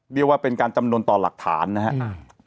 เรียกว่าเป็นการจำนวนต่อหลักฐานนะครับ